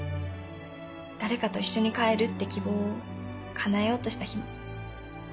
誰かと一緒に帰るって希望を叶えようとした日も。